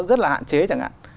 rất là hạn chế chẳng hạn